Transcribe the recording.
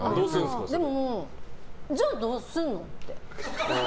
でももう、じゃあどうすんのって。